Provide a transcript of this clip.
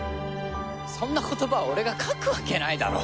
そんな言葉を俺が書くわけないだろう。